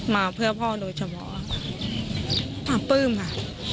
มาเพื่อพ่อโดยเฉพาะป้าปลื้มค่ะ